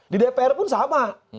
di dpr pun sama